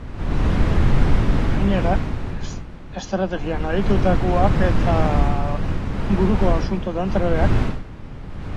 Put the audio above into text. Gainera, estrategian aditua eta buruzagi militar trebea zen.